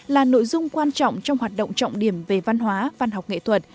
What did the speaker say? là nội dung quan trọng trong hoạt động trọng điểm về văn hóa văn học nghệ thuật